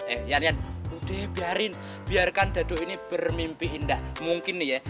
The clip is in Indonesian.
eh yan yan udah biarin biarkan daduk ini bermimpi indah mungkin ya